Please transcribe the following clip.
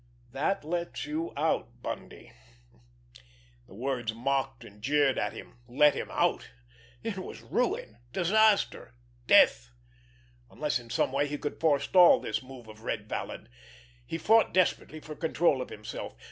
"That lets you out, Bundy." The words mocked and jeered at him. Let him out! It was ruin, disaster, death—unless in some way he could forestall this move of Red Vallon. He fought desperately for control of himself.